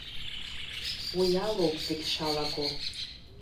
Уи алоуп зегьы шалаго.